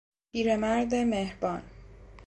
پیرمرد مهربان